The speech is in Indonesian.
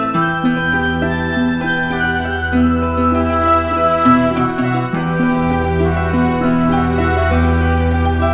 dan di negeri orang lainnya